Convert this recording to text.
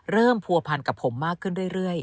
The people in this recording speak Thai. ผัวพันกับผมมากขึ้นเรื่อย